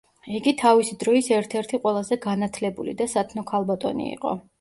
იგი თავისი დროის ერთ-ერთი ყველაზე განათლებული და სათნო ქალბატონი იყო.